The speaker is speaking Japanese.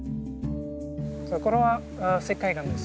これは石灰岩です。